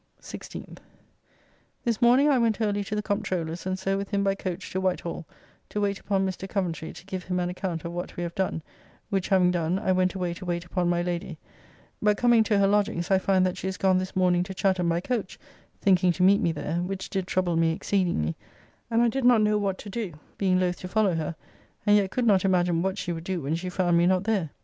16th. This morning I went early to the Comptroller's and so with him by coach to Whitehall, to wait upon Mr. Coventry to give him an account of what we have done, which having done, I went away to wait upon my Lady; but coming to her lodgings I find that she is gone this morning to Chatham by coach, thinking to meet me there, which did trouble me exceedingly, and I did not know what to do, being loth to follow her, and yet could not imagine what she would do when she found me not there.